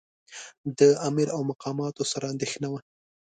د امیر او مقاماتو سره اندېښنه وه.